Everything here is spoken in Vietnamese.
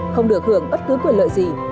không được hưởng bất cứ quyền lợi gì